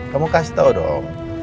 kamu kasih tau dong